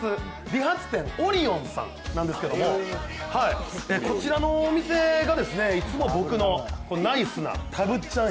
理髪店オリオンさんなんですけどもこちらのお店がいつも僕のナイスなたぶっちゃん